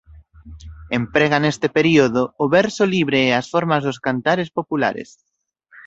Emprega neste período o verso libre e as formas dos cantares populares.